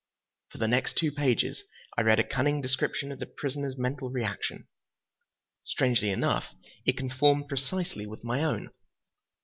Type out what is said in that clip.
For the next two pages I read a cunning description of the prisoner's mental reaction. Strangely enough, it conformed precisely with my own.